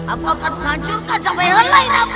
aku akan menghancurkan sampai helai rambutmu